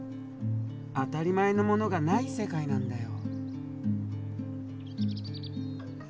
当たり前のものがない世界なんだよ。